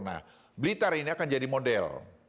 nah blitar ini akan jadi model